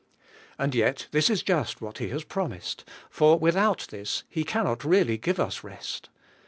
And yet this is just what He has promised, for without this He cannot really give us rest.